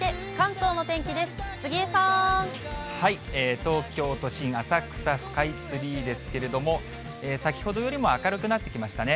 東京都心、浅草・スカイツリーですけれども、先ほどよりも明るくなってきましたね。